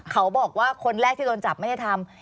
เขาบอกว่าคนแรกที่โดนจับไม่ได้ทำ